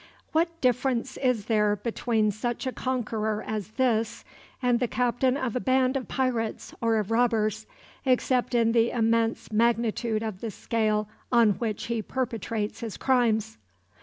What difference is there between such a conqueror as this and the captain of a band of pirates or of robbers, except in the immense magnitude of the scale on which he perpetrates his crimes?